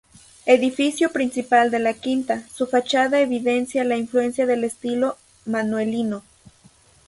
Edificio principal de la quinta, su fachada evidencia la influencia del estilo manuelino.